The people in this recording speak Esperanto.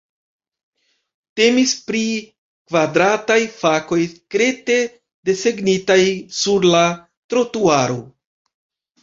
Temis pri kvadrataj fakoj krete desegnitaj sur la trotuaro.